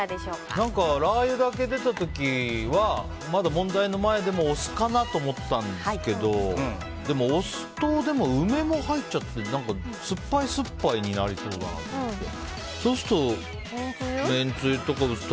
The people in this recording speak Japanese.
何か、ラー油だけ出た時はまだ問題の前でもお酢かなと思ったんですがでも、お酢と梅も入っちゃって何か、酸っぱい酸っぱいになりそうだなと思って。